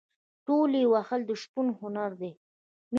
تولې وهل د شپون هنر دی.